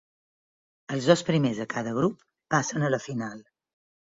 Els dos primers de cada grup passen a la final.